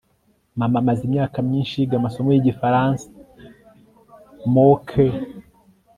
mama amaze imyaka myinshi yiga amasomo yigifaransa. (mookeee